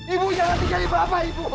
ibu jangan tinggalkan papa ibu